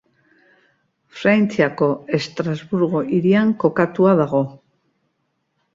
Frantziako Estrasburgo hirian kokatua dago.